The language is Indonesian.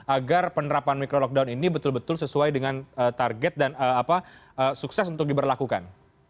agar penerapan micro lockdown ini betul betul sesuai dengan target dan sukses untuk diberlakukan